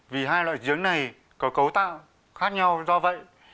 vì hai loại giếng này có cấu tạo khác nhau do vậy